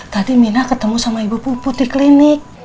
tadi mina ketemu sama ibu puput di klinik